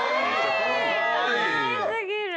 かわい過ぎる。